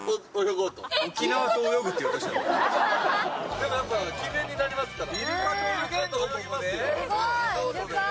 でもやっぱ記念になりますから。